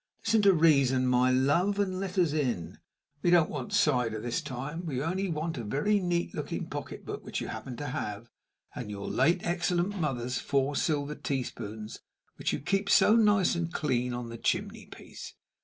Listen to reason, my love, and let us in. We don't want cider this time we only want a very neat looking pocketbook which you happen to have, and your late excellent mother's four silver teaspoons, which you keep so nice and clean on the chimney piece.